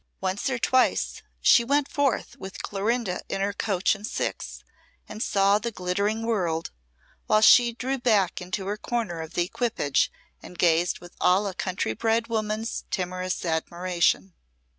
Once or twice she went forth with Clorinda in her coach and six, and saw the glittering world, while she drew back into her corner of the equipage and gazed with all a country bred woman's timorous admiration.